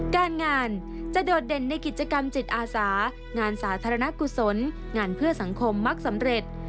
การงานจะโดดเด่นในกิจกรรมจิตอาสางานสาธารณกุศลงานเพื่อสังคมมักสำเร็จ